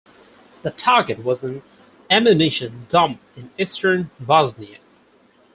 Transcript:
The target was an ammunition dump in eastern Bosnia.